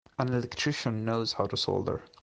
An electrician knows how to solder.